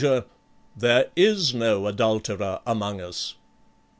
3 there is no adulterer among us."